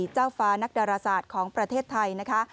เจ้าฟ้านักดาราศาสตร์ของประเทศไทยนะคะ